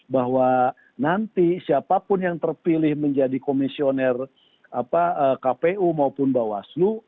bahwa nanti siapapun yang terpilih menjadi komisioner kpu maupun bawaslu